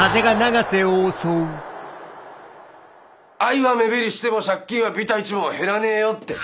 愛は目減りしても借金はビタ一文減らねよって。